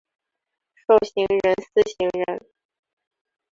授行人司行人。